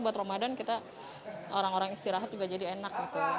buat ramadan kita orang orang istirahat juga jadi enak